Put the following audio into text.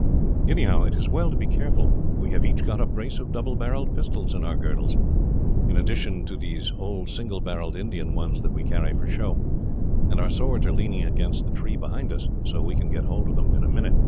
Anyhow, it is as well to be careful. We have each got a brace of double barrelled pistols in our girdles, in addition to these old single barrelled Indian ones that we carry for show, and our swords are leaning against the tree behind us, so we can get hold of them in a moment.